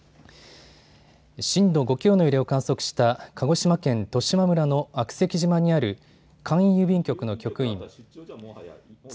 震度５強の揺れを観測した鹿児島県十島村の悪石島にある簡易郵便局の局員、つ